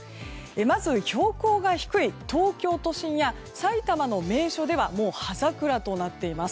まず、標高が低い東京都心や埼玉の名所ではもう葉桜となっています。